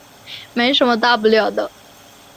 没什么大不了的